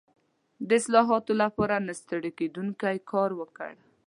د اصلاحاتو لپاره نه ستړی کېدونکی کار وکړ.